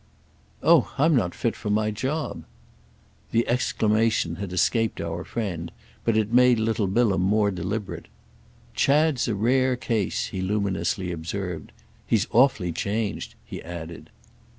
"Oh I'm not fit for my job!" The exclamation had escaped our friend, but it made little Bilham more deliberate. "Chad's a rare case!" he luminously observed. "He's awfully changed," he added.